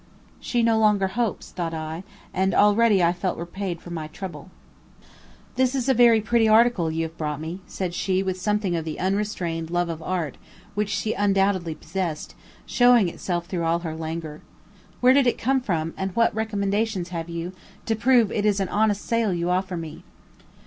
"She no longer hopes," thought I, and already felt repaid for my trouble. "This is a very pretty article you have brought me," said she with something of the unrestrained love of art which she undoubtedly possessed, showing itself through all her languor. "Where did it come from, and what recommendations have you, to prove it is an honest sale you offer me?"